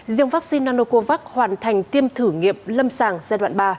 riêng vaccine nanocovax hoàn thành tiêm thử nghiệm lâm sàng giai đoạn ba